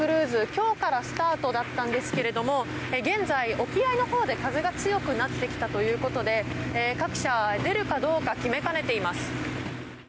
今日からスタートだったんですけれども現在、沖合のほうで風が強くなってきたということで各社、出るかどうか決めかねています。